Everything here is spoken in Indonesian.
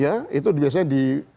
ya itu biasanya di